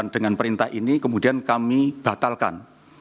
dengan perintah ini kemudian kami batalkan